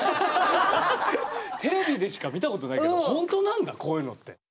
テレビでしか見たことないけどほんとなんだこういうのって。